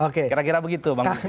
kira kira begitu pak mufi